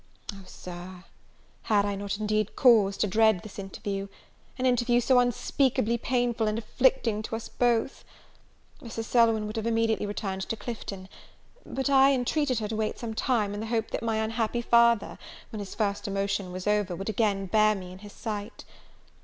Oh, Sir, had I not indeed cause to dread this interview? an interview so unspeakably painful and afflicting to us both! Mrs. Selwyn would have immediately returned to Clifton; but I entreated her to wait some time, in the hope that my unhappy father, when his first emotion was over, would again bear me in his sight.